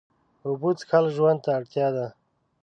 اوبه څښل ژوند ته اړتیا ده